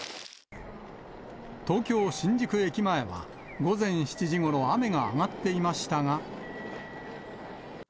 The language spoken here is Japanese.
東京・新宿駅前は、午前７時ごろ、雨が上がっていましたが。